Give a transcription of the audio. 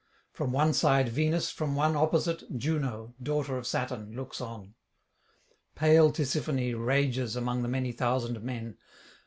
From one side Venus, from one opposite Juno, daughter of Saturn, looks on; pale Tisiphone rages among the many thousand men.